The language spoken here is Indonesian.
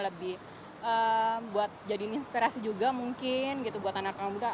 lebih buat jadiin inspirasi juga mungkin gitu buat anak anak muda